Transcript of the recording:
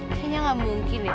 kayaknya gak mungkin ya